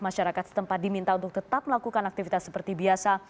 masyarakat setempat diminta untuk tetap melakukan aktivitas seperti biasa